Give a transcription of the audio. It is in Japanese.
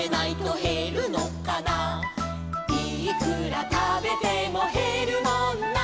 「いくらたべてもへるもんな」